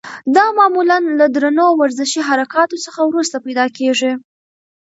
دا معمولا له درنو ورزشي حرکاتو څخه وروسته پیدا کېږي.